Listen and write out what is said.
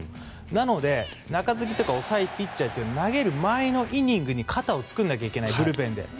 なので、中継ぎとか抑えピッチャー投げる前のイニングで肩を作らなきゃいけないブルペンで。